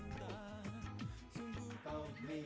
tapi butuh bukti